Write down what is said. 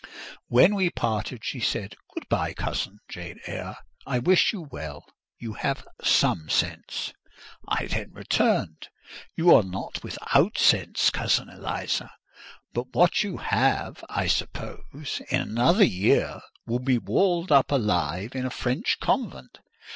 When we parted, she said: "Good bye, cousin Jane Eyre; I wish you well: you have some sense." I then returned: "You are not without sense, cousin Eliza; but what you have, I suppose, in another year will be walled up alive in a French convent.